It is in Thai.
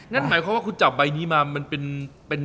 นั่นหมายความว่าคุณจับใบนี้มามันเป็น